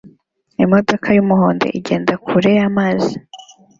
Imodoka y'umuhondo igenda kure y'amazi